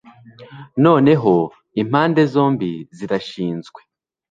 noneho impande zombi zirashinzwe